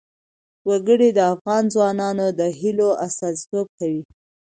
وګړي د افغان ځوانانو د هیلو استازیتوب کوي.